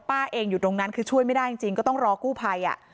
เองอยู่ตรงนั้นคือช่วยไม่ได้จริงก็ต้องรอกู้ภัย